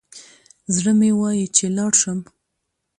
زړه مي وايي چي لاړ شم